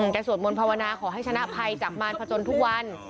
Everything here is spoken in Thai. สวดมนต์ภาวนาขอให้ชนะภัยจากมารพจนทุกวัน